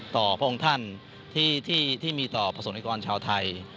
พระองค์ท่านที่มีต่อประสงค์นิกรชาวไทย